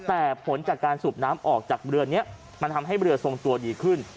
แต่ผลจากการสูบน้ำออกจากเรือนี้มันทำให้เรือทรงตัวดีขึ้น